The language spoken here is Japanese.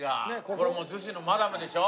これもう逗子のマダムでしょ？